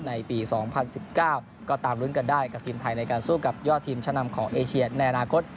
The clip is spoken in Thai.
ในปี๒๐๑๙ก็ตามลุ้นกันได้กับทีมไทยในการสู้กับยอดทีมชะนำของเอเชียในอนาคต